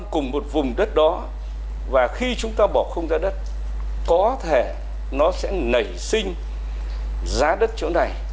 chúng ta bỏ khung giá đất có thể nó sẽ nảy sinh giá đất chỗ này